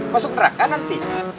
masuk neraka nanti